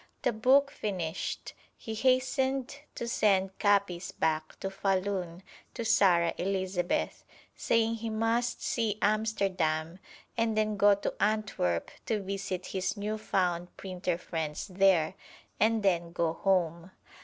The book finished, he hastened to send copies back to Fahlun to Sara Elizabeth, saying he must see Amsterdam and then go to Antwerp to visit his new found printer friends there, and then go home!